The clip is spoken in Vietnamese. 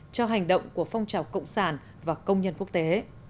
cho hành động của phong trào cộng sản và công nhân quốc tế